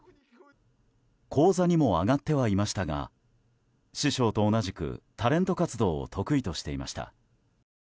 高座にも上がってはいましたが師匠と同じくタレント活動を得意としていました。